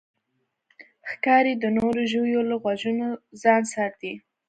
ښکاري د نورو ژویو له غږونو ځان ساتي.